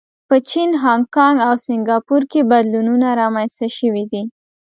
په چین، هانکانګ او سنګاپور کې بدلونونه رامنځته شوي دي.